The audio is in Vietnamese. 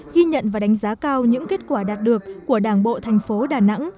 ghi nhận và đánh giá cao những kết quả đạt được của đảng bộ thành phố đà nẵng